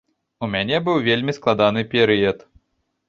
У мяне быў вельмі складаны перыяд.